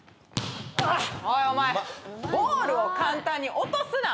おいお前ボールを簡単に落とすな。